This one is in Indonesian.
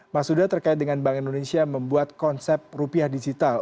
mas huda terkait dengan bank indonesia membuat konsep rupiah digital